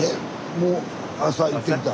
もう朝行ってきた？